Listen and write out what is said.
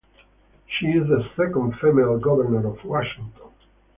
She is the second female governor of Washington.